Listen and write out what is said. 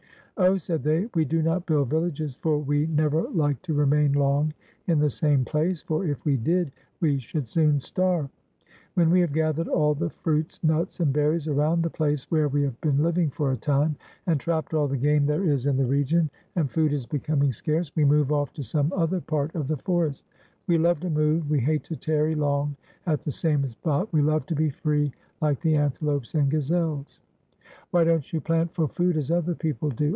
"Oh," said they, "we do not build villages, for we never like to remain long in the same place, for if we did we should soon starve. When we have gathered all the fruits, nuts, and berries around the place where we have been hving for a time, and trapped all the game there is 419 WESTERN AND CENTRAL AFRICA in the region, and food is becoming scarce, we move oflf to some other part of the forest. We love to move; we hate to tarry long at the same spot. We love to be free, like the antelopes and gazelles." "Why don't you plant for food, as other people do?"